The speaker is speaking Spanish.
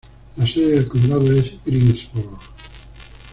La sede del condado es Greensburg.